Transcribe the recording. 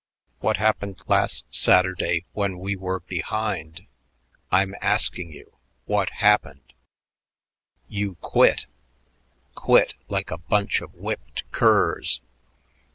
What happened last Saturday when we were behind? I'm asking you; what happened? You quit! Quit like a bunch of whipped curs.